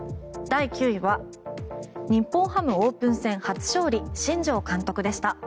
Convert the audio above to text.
第９位は日本ハムオープン戦初勝利新庄監督でした。